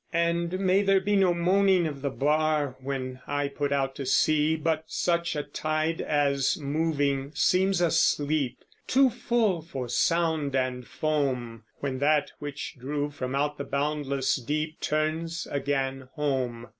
And may there be no moaning of the bar, When I put out to sea, But such a tide as, moving, seems asleep, Too full for sound and foam, When that which drew from out the boundless deep Turns again home.